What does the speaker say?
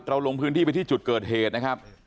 ลงพื้นที่ไปที่จุดเกิดเหตุนะครับ